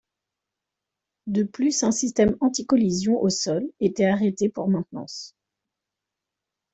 De plus, un système anti-collision au sol était arrêté pour maintenance.